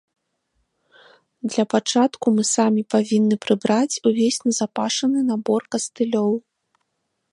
Для пачатку мы самі павінны прыбраць увесь назапашаны набор кастылёў.